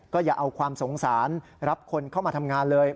อย่าเอาความสงสารรับคนเข้ามาทำงานเลย